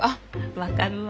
分かるわ。